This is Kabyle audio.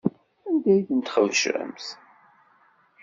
Anda ay ten-txebcemt?